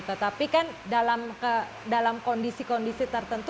tetapi kan dalam kondisi kondisi tertentu